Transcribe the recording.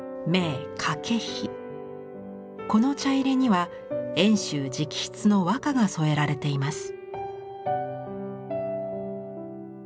この茶入れには遠州直筆の和歌が添えられています。